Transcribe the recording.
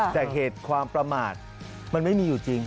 แต่เหตุความประมาทมันไม่มีอยู่จริง